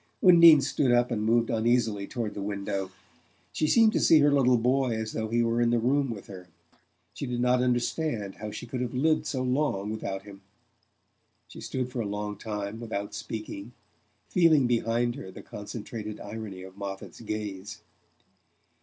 Undine stood up and moved uneasily toward the window. She seemed to see her little boy as though he were in the room with her; she did not understand how she could have lived so long without him...She stood for a long time without speaking, feeling behind her the concentrated irony of Moffatt's gaze.